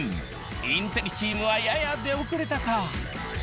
インテリチームはやや出遅れたか？